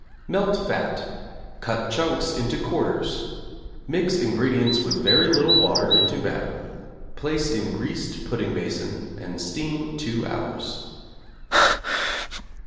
Melt fat, cut chunks into quarters; mix ingredients with very little water into batter; place in greased pudding basin and steam 2 hours.